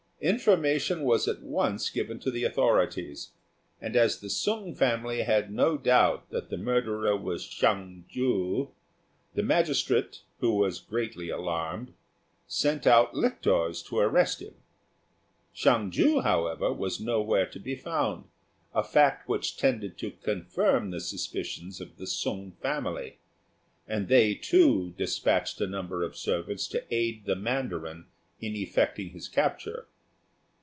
Information was at once given to the authorities; and as the Sung family had no doubt that the murderer was Hsiang ju, the magistrate, who was greatly alarmed, sent out lictors to arrest him. Hsiang ju, however, was nowhere to be found, a fact which tended to confirm the suspicions of the Sung family; and they, too, despatched a number of servants to aid the mandarin in effecting his capture.